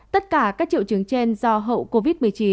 tất cả các triệu chứng trên do hậu covid một mươi chín